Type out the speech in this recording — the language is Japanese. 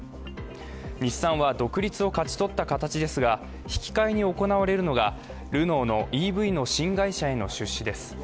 日産は独立を勝ち取った形ですが、引き換えに行われるのがルノーのＥＶの新会社への出資です。